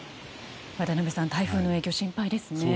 渡辺さん、台風の影響心配ですね。